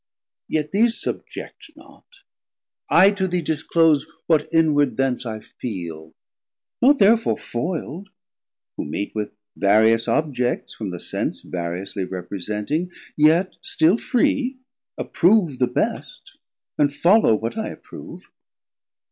Yet these subject not; I to thee disclose What inward thence I feel, not therefore foild, Who meet with various objects, from the sense Variously representing; yet still free 610 Approve the best, and follow what I approve.